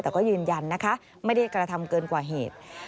แต่ก็ยืนยันนะคะไม่ได้กระทำเกินกว่าเหตุ